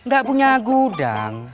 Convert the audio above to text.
gak punya gudang